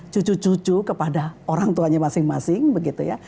cucu cucu kepada orang tuanya masing masing begitu ya